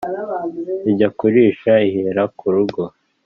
Ijya kurisha ihera ku rugo.